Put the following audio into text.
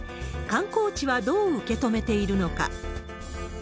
観光地はどう受け止めているのか。